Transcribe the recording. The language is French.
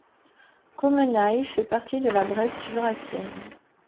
Commenailles fait partie de la Bresse jurassienne.